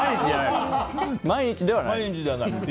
毎日ではないです！